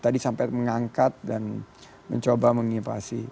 tadi sampai mengangkat dan mencoba mengipasi